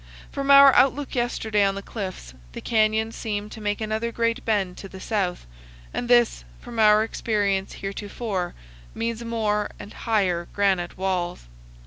From our outlook yesterday on the cliffs, the canyon seemed to make another great bend to the south, and this, from our experience heretofore, means more and higher granite walls.